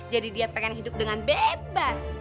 jadi dia pengen hidup dengan bebas